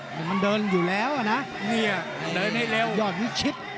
แต่มันเดินอยู่แล้วอ่ะนะเนี่ยเดินให้เร็วยอดวิชิต